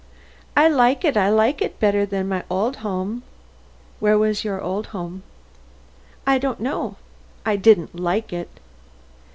"I like it; I like it better than my old home." "Where was your old home?" "I don't know. I didn't like it."